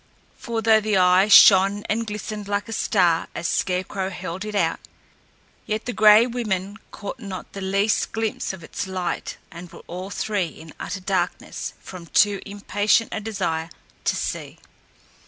For, though the eye shone and glistened like a star as Scarecrow held it out, yet the Gray Women caught not the least glimpse of its light and were all three in utter darkness from too impatient a desire to see.